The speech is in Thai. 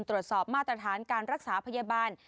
ตรวจสอบมาตรฐานการรักษาพยาบาล